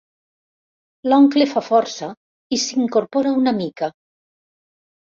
L'oncle fa força i s'incorpora una mica.